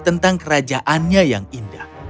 tentang kerajaannya yang indah